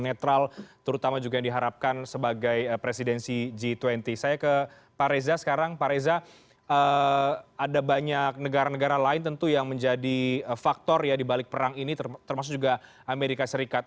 saya ke pak reza sekarang pak reza ada banyak negara negara lain tentu yang menjadi faktor dibalik perang ini termasuk juga amerika serikat